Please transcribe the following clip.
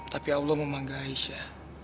tapi allah memanggah aisyah